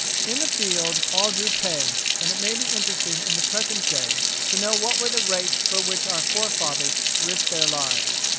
In the field all drew pay, and it may be interesting in the present day to know what were the rates for which our forefathers risked their lives.